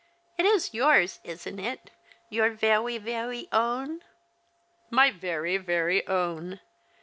It is yours, isn't it — your veway, veway own ?" 'Oly very, very own.